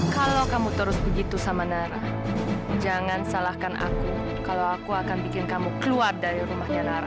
kalau kamu terus begitu sama nara jangan salahkan aku kalau aku akan bikin kamu keluar dari rumahnya nara